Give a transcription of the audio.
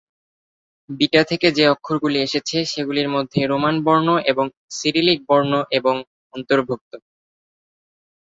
Beta থেকে যে অক্ষরগুলি এসেছে সেগুলির মধ্যে রোমান বর্ণ এবং সিরিলিক বর্ণ এবং অন্তর্ভুক্ত।